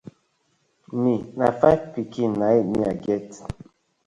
Mi na fiv pikin na it me I get.